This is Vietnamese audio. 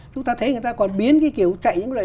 chúng ta thấy người ta còn biến cái kiểu chạy những loại